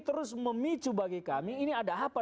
terus memicu bagi kami ini ada apa